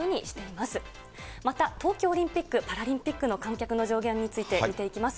また、東京オリンピック・パラリンピックの観客の上限について見ていきます。